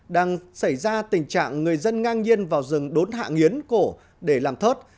đang xảy ra tình trạng người dân ngang nhiên vào rừng đốn hạ nghiến cổ để làm thớt